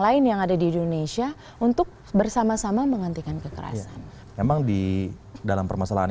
lain yang ada di indonesia untuk bersama sama menghentikan kekerasan memang di dalam permasalahan